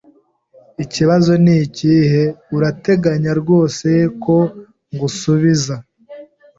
Ikibazo nikihe? Urateganya rwose ko ngusubiza?